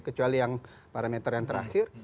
kecuali parameter yang terakhir